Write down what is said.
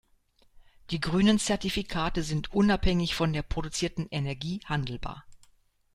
Die Grünen Zertifikate sind unabhängig von der produzierten Energie handelbar.